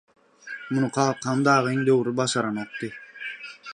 Muny kakam dagyň döwri başaranokdy.